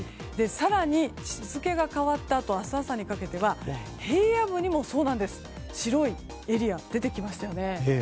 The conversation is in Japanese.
更に、日付が変わったあと明日朝にかけては、平野部にも白いエリア出てきましたよね。